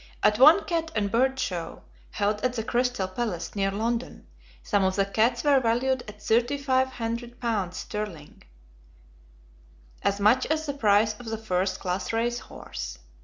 At one cat and bird show, held at the Crystal Palace, near London, some of the cats were valued at thirty five hundred pounds sterling ($17,500) as much as the price of a first class race horse.